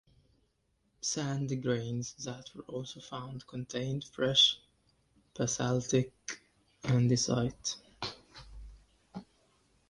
Sand grains that were also found contained fresh basaltic andesite.